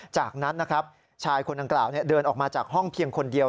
จากนั้นนะครับชายคนดังกล่าวเดินออกมาจากห้องเพียงคนเดียว